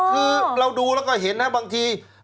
คือเราดูแล้วก็เห็นนะบางที